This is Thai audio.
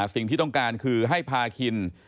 สิ่งที่ต้องการคือให้พาคิน